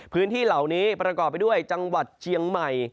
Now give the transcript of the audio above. พื้นที่เหล่านี้ประกอบไปด้วยจังหวัดเชียงใหม่